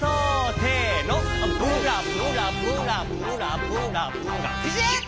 せのブラブラブラブラブラブラピシッ！